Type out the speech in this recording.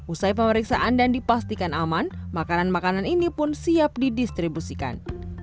usai pemeriksaan dan dipastikan aman makanan makanan ini pun siap didistribusikan